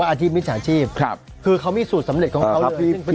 อาชีพมิจฉาชีพคือเขามีสูตรสำเร็จของเขาเลย